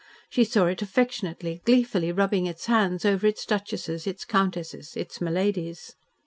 She saw it affectionately, gleefully, rubbing its hands over its duchesses, its countesses, its miladies.